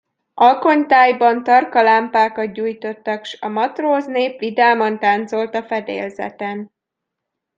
Alkonytájban tarka lámpákat gyújtottak, s a matróznép vidáman táncolt a fedélzeten.